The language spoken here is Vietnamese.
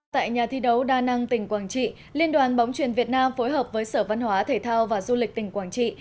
tại nhà thi đấu đa năng tỉnh quảng trị liên đoàn bóng truyền việt nam phối hợp với sở văn hóa thể thao và du lịch tỉnh quảng trị